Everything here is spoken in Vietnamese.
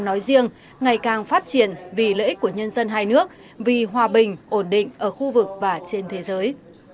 nói riêng ngày càng phát triển vì lợi ích của nhân dân hai nước vì hòa bình ổn định ở khu vực và trên thế giới